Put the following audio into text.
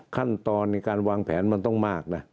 ขั้นตอนในการวางแผนมันต้องมากนะ